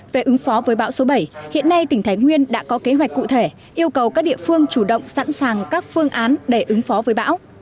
về ứng phó với bão số bảy hiện nay tỉnh thái nguyên đã có kế hoạch cụ thể yêu cầu các địa phương chủ động sẵn sàng các phương án để ứng phó với bão